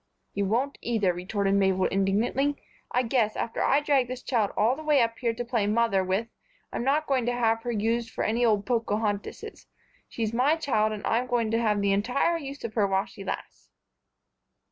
"You won't either," retorted Mabel, indignantly. "I guess, after I dragged this child all the way up here to play 'Mother' with, I'm not going to have her used for any old Pocohontises. She's my child, and I'm going to have the entire use of her while she lasts."